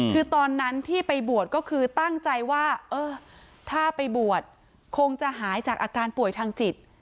คือตอนนั้นที่ไปบวชก็คือตั้งใจว่าเออถ้าไปบวชคงจะหายจากอาการป่วยทางจิต